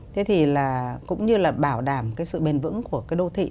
thế thì là cũng như là bảo đảm cái sự bền vững của cái đô thị